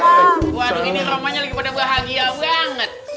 waduh ini romanya lagi pada bahagia banget